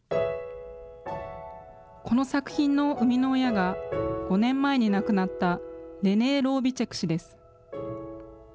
この作品の生みの親が、５年前に亡くなった、レネー・ロゥビチェク氏です。